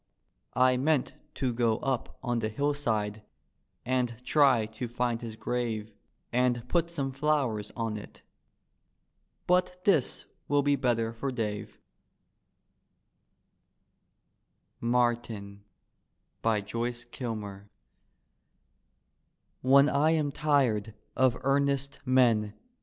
I meant to go up on the hillside and try to find his grave And put some flowers on it — but this will be better for Dave MARTIN : joycb kilmer When I am tired of earnest men.